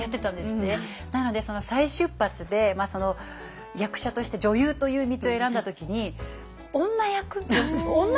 なのでその再出発で役者として女優という道を選んだ時に女役？